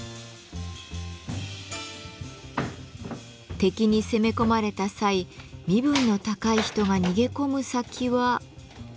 敵に攻め込まれた際身分の高い人が逃げ込む先は。